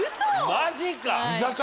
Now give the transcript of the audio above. マジか！